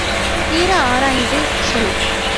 தீர ஆராய்ந்து சொல்!